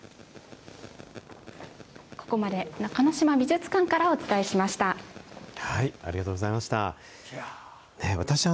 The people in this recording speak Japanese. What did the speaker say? ここまで中之島美術館からお伝えしました。